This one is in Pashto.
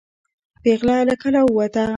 پیغله له کلا ووته.